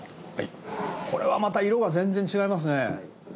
これはまた色が全然違いますね。